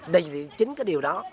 đây chính cái điều đó